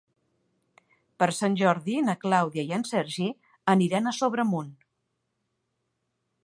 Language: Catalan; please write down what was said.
Per Sant Jordi na Clàudia i en Sergi aniran a Sobremunt.